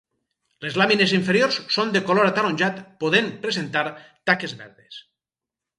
Les làmines inferiors són de color ataronjat podent presentar taques verdes.